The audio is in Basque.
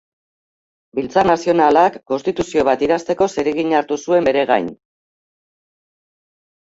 Biltzar Nazionalak Konstituzio bat idazteko zeregina hartu zuen bere gain.